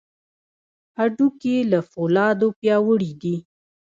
هډوکي له فولادو پیاوړي دي.